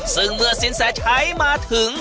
ซึ่งเมื่อสินแสชัยมาถึง